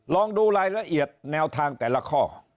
ลองดูรายละเอียดแนวทางแต่ละข้อ